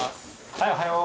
はいおはよう！